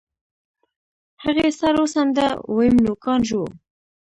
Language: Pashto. هغې سر وڅنډه ويم نوکان ژوو.